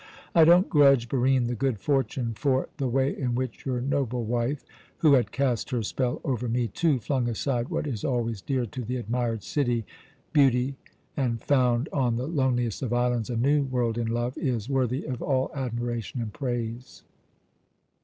I don't grudge Barine the good fortune; for the way in which your noble wife, who had cast her spell over me too, flung aside what is always dear to the admired city beauty and found on the loneliest of islands a new world in love, is worthy of all admiration and praise.